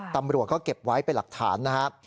ตำรวจก็เก็บไว้เป็นหลักฐานนะครับ